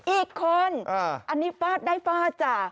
อีกคนอันนี้ฟาดได้ฟาดจ้ะ